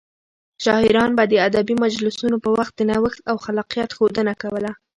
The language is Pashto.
شاعران به د ادبي مجلسونو په وخت د نوښت او خلاقيت ښودنه کوله.